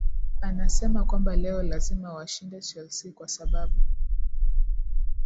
anasema kwamba leo lazima washinde chelsea kwa sababu